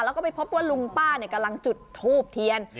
แล้วก็ไปพบว่าลุงป้าเนี่ยกำลังจุดโทษทะเจนนี่